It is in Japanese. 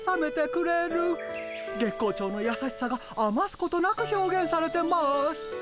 月光町のやさしさがあますことなく表現されてます。